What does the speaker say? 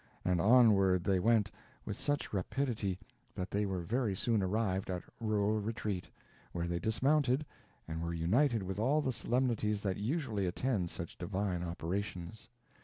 And onward they went, with such rapidity that they very soon arrived at Rural Retreat, where they dismounted, and were united with all the solemnities that usually attend such divine operations.